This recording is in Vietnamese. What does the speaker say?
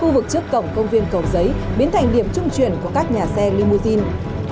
khu vực trước cổng công viên cầu giấy biến thành điểm trung chuyển của các nhà xe limousine